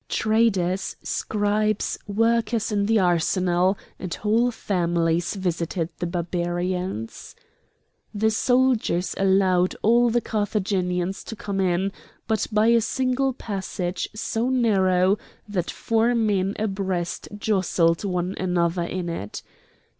Traders, scribes, workers in the arsenal, and whole families visited the Barbarians. The soldiers allowed all the Carthaginians to come in, but by a single passage so narrow that four men abreast jostled one another in it.